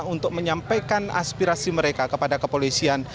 untuk menyampaikan aspirasi mereka kepada kepolisian